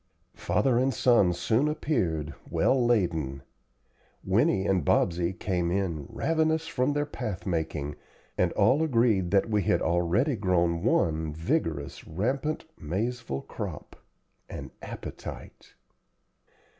Father and son soon appeared, well laden. Winnie and Bobsey came in ravenous from their path making, and all agreed that we had already grown one vigorous rampant Maizeville crop an appetite.